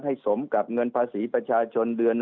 ให้สมกับเงินภาษีประชาชนด้วย